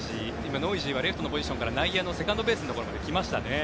ノイジーはレフトのポジションから内野のセカンドベースのところまできましたね。